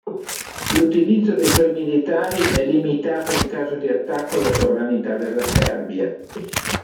L'utilizzo dei suoi militari è limitato in caso di attacco alla sovranità della Serbia.